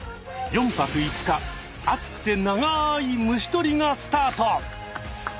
４泊５日熱くて長い虫とりがスタート！